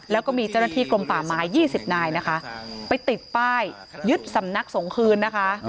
แล้วก็มีเจ้าหน้าที่กรมป่าไม้๒๐นายนะคะไปติดป้ายยึดสำนักสงคืนนะคะ